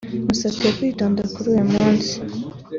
musabwe kwitonda kuri uyu munsi